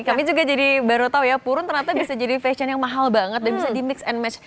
kami juga jadi baru tahu ya purun ternyata bisa jadi fashion yang mahal banget dan bisa di mix and match